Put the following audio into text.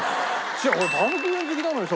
違う俺バウムクーヘン好きなのにさ